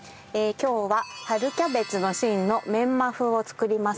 今日は春キャベツの芯のメンマ風を作ります。